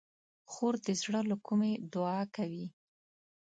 خور د زړه له کومي دعا کوي.